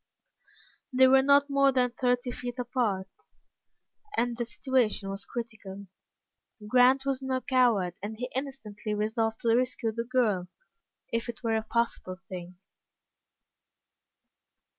They were not more than thirty feet apart, and the situation was critical. Grant was no coward, and he instantly resolved to rescue the girl if it were a possible thing.